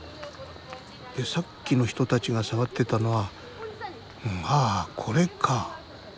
でさっきの人たちが触ってたのはああこれか。